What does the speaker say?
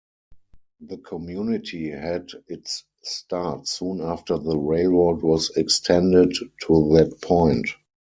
The community had its start soon after the railroad was extended to that point.